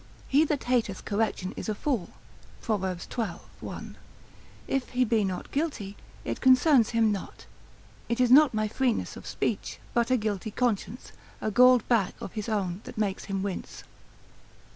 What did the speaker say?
He that hateth correction is a fool, Prov. xii. 1. If he be not guilty, it concerns him not; it is not my freeness of speech, but a guilty conscience, a galled back of his own that makes him wince.